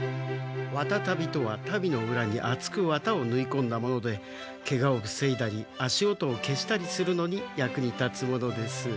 わたタビとはタビのうらにあつくわたをぬいこんだものでけがをふせいだり足音を消したりするのに役に立つものです。